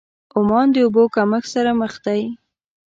عمان د اوبو کمښت سره مخ دی.